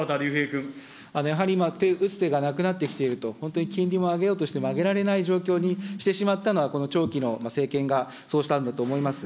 やはり今、打つ手がなくなってきていると、本当に金利も上げようとしても上げられない状況にしてしまったのは、長期の政権がそうしたんだと思います。